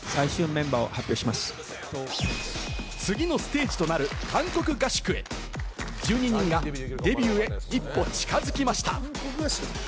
次のステージとなる韓国合宿へ、１２人がデビューへ、一歩近づきました。